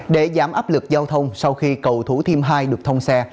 để giảm áp lực giao thông sau khi cầu thủ thiêm hai được thông xe